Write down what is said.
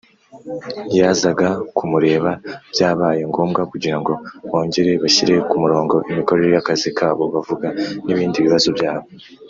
yazaga kumureba Byabaye ngombwa kugira ngo bongere bashyire ku murongo imikorere y’akazi kabo bavuga n’ibindi bibazo byabo.